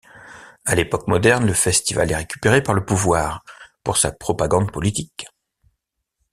À l'époque moderne, le festival est récupéré par le pouvoir pour sa propagande politique.